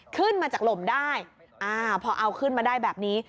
ขึ้นมาจากหล่มได้พอเอาขึ้นมาได้แบบนี้